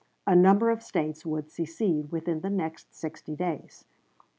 A number of States would secede within the next sixty days.